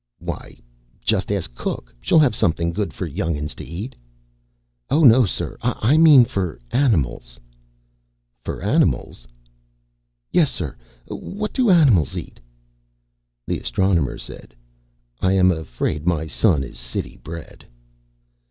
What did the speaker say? "Why, just ask cook. She'll have something good for young'uns to eat." "Oh, no, sir. I mean for animals." "For animals?" "Yes, sir. What do animals eat?" The Astronomer said, "I am afraid my son is city bred."